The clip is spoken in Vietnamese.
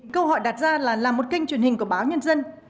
câu hỏi đặt ra là một kênh truyền hình của báo nhân dân